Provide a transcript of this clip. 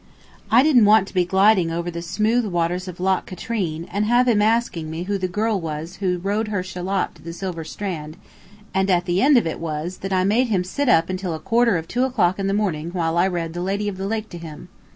I didn't want to be gliding o'er the smooth waters of Loch Katrine, and have him asking me who the girl was who rowed her shallop to the silver strand, and the end of it was that I made him sit up until a quarter of two o'clock in the morning while I read the "Lady of the Lake" to him.